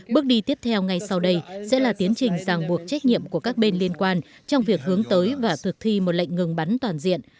bước đi tiếp theo ngay sau đây sẽ là tiến trình giang buộc trách nhiệm của các bên liên quan trong việc hướng tới và thực thi một lệnh ngừng bắn toàn diện